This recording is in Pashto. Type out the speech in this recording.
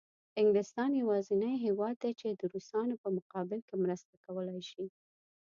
انګلستان یوازینی هېواد دی چې د روسانو په مقابل کې مرسته کولای شي.